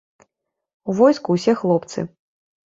У войску ўсе хлопцы.